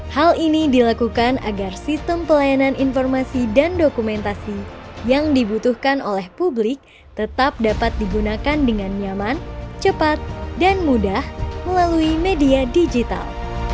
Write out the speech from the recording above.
hal ini dilakukan agar sistem pelayanan informasi dan dokumentasi yang dibutuhkan oleh publik tetap dapat digunakan dengan nyaman cepat dan mudah melalui media digital